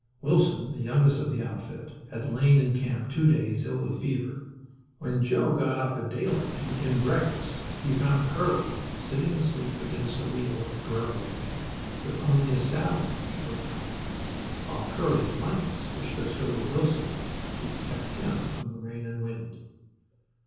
Wilson, the youngest of the outfit, had lain in camp two days, ill with fever. When Joe got up at daylight to begin breakfast he found Curly sitting asleep against a wheel of the grub wagon with only a saddle blanket around him, while Curly's blankets were stretched over Wilson to protect him from the rain and wind.